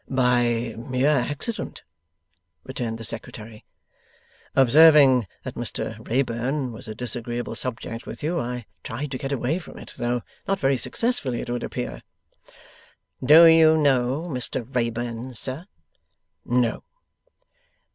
'By mere accident,' returned the Secretary. 'Observing that Mr Wrayburn was a disagreeable subject with you, I tried to get away from it: though not very successfully, it would appear.' 'Do you know Mr Wrayburn, sir?' 'No.